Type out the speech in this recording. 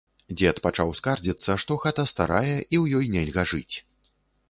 Дзед пачаў скардзіцца, што хата старая і ў ёй нельга жыць.